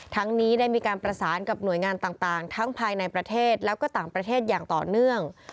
นี้ได้มีการประสานกับหน่วยงานต่างทั้งภายในประเทศแล้วก็ต่างประเทศอย่างต่อเนื่อง